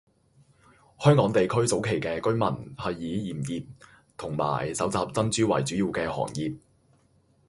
香港地區早期嘅居民係以鹽業同埋搜集珍珠為主要嘅行業。